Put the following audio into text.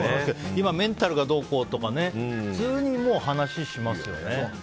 今、メンタルがどうこうって普通に話しますよね。